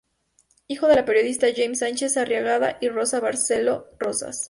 Hijo de los periodistas Jaime Sánchez Arriagada y Rosa Barceló Rozas.